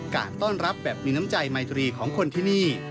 การต้อนรับแบบมีน้ำใจไมตรีของคนที่นี่